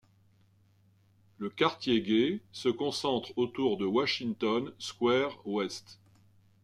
Le quartier gay se concentre autour de Washington Square West.